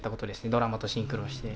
ドラマとシンクロして。